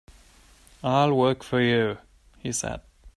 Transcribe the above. "I'll work for you," he said.